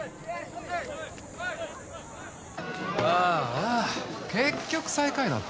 ああ結局最下位だったな。